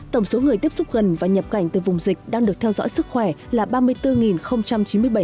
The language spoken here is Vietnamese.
tổng số người tiếp xúc gần và nhập cảnh từ vùng dịch đang được theo dõi sức khỏe là ba mươi bốn chín mươi bảy người